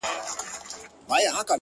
o مرگ دی که ژوند دی ـ